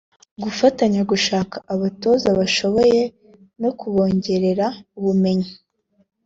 gufatanya gushaka abatoza bashoboye no kubongerera ubumenyi